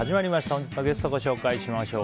本日のゲストご紹介します。